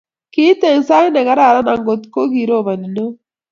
Kiit eng sait ne kararan angot ko kiroboni ne o